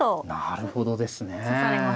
なるほどですね。